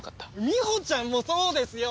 みほちゃんもそうですよ！